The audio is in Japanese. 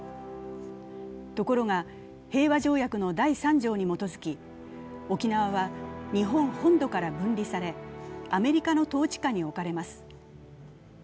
ところが、平和条約の第３条に基づき、沖縄は日本本土から分離されアメリカの統治下に置かれます。